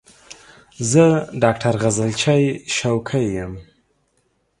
زه ډاکټر غزلچی شوقی یم